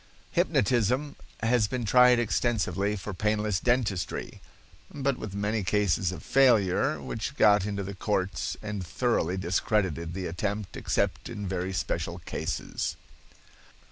Hypnotism has been tried extensively for painless dentistry, but with many cases of failure, which got into the courts and thoroughly discredited the attempt except in very special cases.